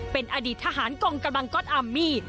เป็นอดีตทหารกองกำลังก๊อตอาร์มมี่